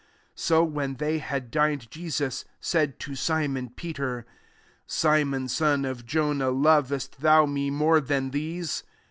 15 SO when they had dined, Jesus said rto Simon Peter, " Si mon son of Jonah, lovest thou me more than these?"